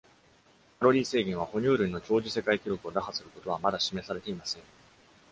カロリー制限は、哺乳類の長寿世界記録を打破することはまだ示されていません。